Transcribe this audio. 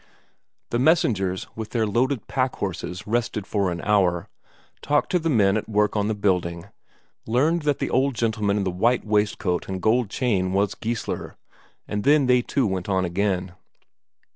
The messengers with their loaded packhorses rested for an hour, talked to the men at work on the building, learned that the old gentleman in the white waistcoat and gold chain was Geissler, and then they too went on again.